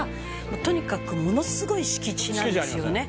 とにかくものすごい敷地なんですよね」